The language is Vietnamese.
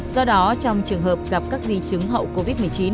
do đó trong trường hợp gặp các di chứng hậu covid một mươi chín